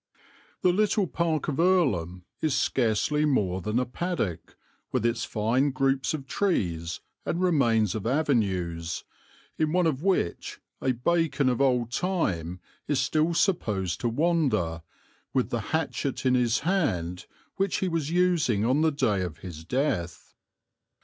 "The little park of Earlham is scarcely more than a paddock, with its fine groups of trees and remains of avenues, in one of which a Bacon of old time is still supposed to wander, with the hatchet in his hand which he was using on the day of his death.